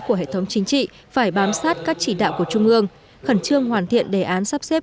của hệ thống chính trị phải bám sát các chỉ đạo của trung ương khẩn trương hoàn thiện đề án sắp xếp